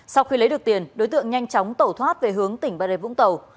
sau khi lấy được tiền đối tượng nhanh chóng tẩu thoát về hướng tỉnh bà rệ vũng tàu